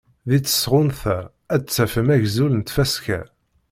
Deg tesɣunt-a ad d-tafem agzul n tfaska.